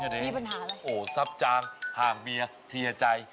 เอาหนูหน่อยมีปัญหาอะไรโอ้โฮซับจางห่างเบียร์เทียดใจ